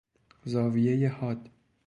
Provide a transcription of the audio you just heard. زاویهی حاد